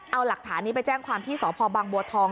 เอาหลักฐานนี้ไปแจ้งความที่สพบังบัวทอง